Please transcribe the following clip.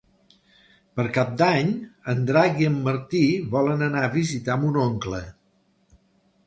Per Cap d'Any en Drac i en Martí volen anar a visitar mon oncle.